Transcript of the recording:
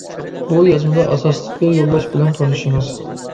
بۇ يازمىدا ئاساسلىقى يوللاش بىلەن تونۇشىمىز.